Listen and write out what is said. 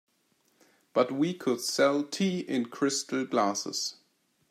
But we could sell tea in crystal glasses.